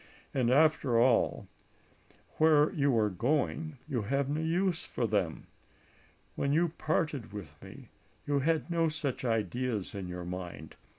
And, after all, where you are going you have no use for them. When you parted with me you had no such ideas in your mind.